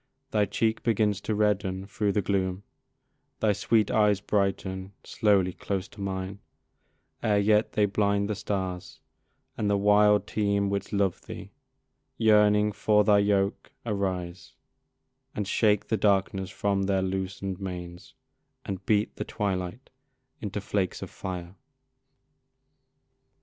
Thy cheek begins to redden thro' the gloom, Thy sweet eyes brighten slowly close to mine, Ere yet they blind the stars, and the wild team Which love thee, yearning for thy yoke, arise, And shake the darkness from their loosen'd manes, And beat the twilight into flakes of fire.